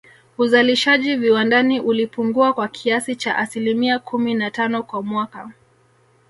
Uzalishaji viwandani ulipungua kwa kiasi cha asilimia kumi na tano kwa mwaka